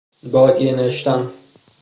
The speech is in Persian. بادیه نشتن